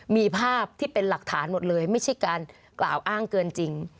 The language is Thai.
มีภาพที่เป็นหลักฐานหมดเลยไม่ใช่การกล่าวอ้างเกินจริง